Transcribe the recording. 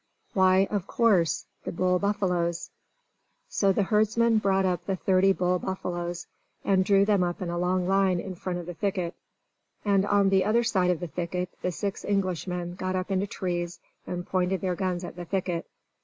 Why, of course, the bull buffaloes! So the herdsman brought up the thirty bull buffaloes, and drew them up in a long line in front of the thicket. And on the other side of the thicket the six Englishmen got up into trees, and pointed their guns at the thicket.